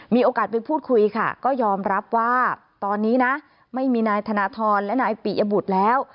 มีโอกาสไปพูดคุยค่ะก็ยอมรับว่าตอนนี้นะไม่มีนายธนทรและนายปิยบุตรแล้ว